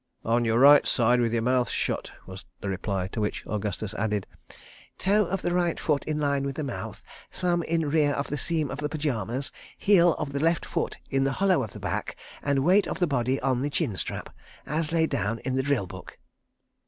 "On your right side, with your mouth shut," was the reply; to which Augustus added: "Toe of the right foot in line with the mouth; thumb in rear of the seam of the pyjamas; heel of the left foot in the hollow of the back; and weight of the body on the chin strap—as laid down in the drill book."